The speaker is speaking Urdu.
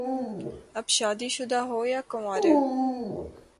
آپ شادی شدہ ہو یا کنوارہ؟